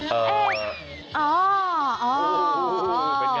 เอเอ